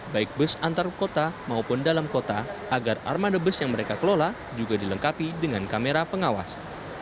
baik bus antar kota maupun dalam kota agar armada bus yang mereka kelola juga dilengkapi dengan kamera pengawas